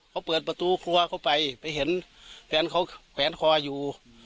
เขาเปิดประตูครัวเข้าไปเพ้าแฟนคออยู่